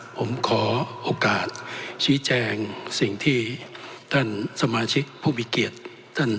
ผมขอโอกาสชี้แจงสิ่งที่ท่านสมาชิกผู้มีเกียรติ